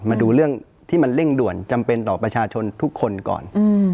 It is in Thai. มาดูเรื่องที่มันเร่งด่วนจำเป็นต่อประชาชนทุกคนก่อน